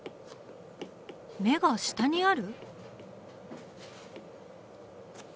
目が下にある？